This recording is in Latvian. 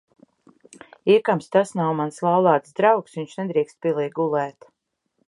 Iekams tas nav mans laulāts draugs, viņš nedrīkst pilī gulēt.